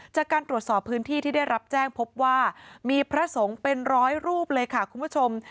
จากการตรวจสอบพื้นที่ที่ได้รับแจ้งพบว่ามีพระสงฆ์เป็นร้อยรูปเลยค่ะคุณผู้ชม